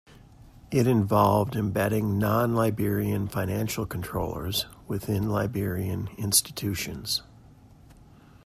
It involved embedding non-Liberian financial controllers within Liberian institutions.